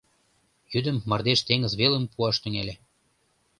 Йӱдым мардеж теҥыз велым пуаш тӱҥале.